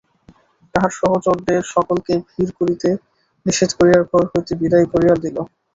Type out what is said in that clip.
তাহার সহচরদের সকলকে ভিড় করিতে নিষেধ করিয়া ঘর হইতে বিদায় করিয়া দিল।